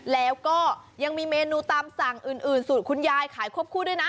แล้วก็ยังมีเมนูตามสั่งอื่นสูตรคุณยายขายควบคู่ด้วยนะ